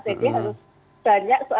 jadi harus banyak